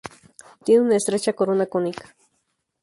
Tiene una estrecha corona cónica.